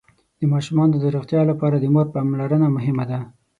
د ماشومانو د روغتيا لپاره د مور پاملرنه مهمه ده.